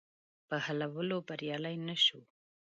په حلولو بریالی نه شو.